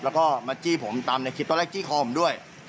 แล้วก็มาจี้ผมตามในคลิปตอนแรกจี้คอผมด้วย